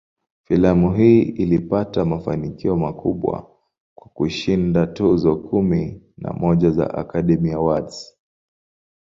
Filamu hii ilipata mafanikio makubwa, kwa kushinda tuzo kumi na moja za "Academy Awards".